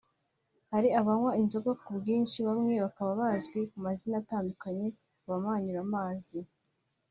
Hari abanywa inzoga ku bwinshi bamwe bakaba bazwi ku mazina atandukanye Abamanyuramazi